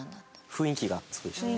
雰囲気がそうでしたね。